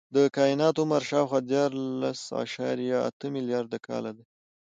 د کائنات عمر شاوخوا دیارلس اعشاریه اته ملیارده کاله دی.